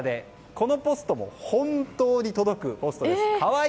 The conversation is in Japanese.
このポストも本当に届くポストです。